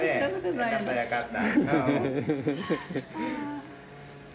よかった、よかった。